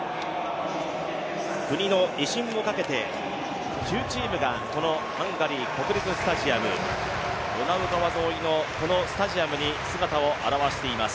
国の威信をかけて９チームがこのハンガリー国立スタジアム、ドナウ川沿いのこのスタジアムに姿を現しています。